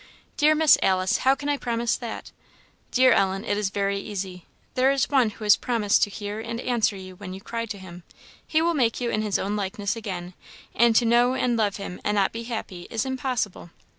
"Dear Miss Alice, how can I promise that?" "Dear Ellen, it is very easy. There is One who has promised to hear and answer you when you cry to him; he will make you in his own likeness again; and to know and love him and not be happy is impossible.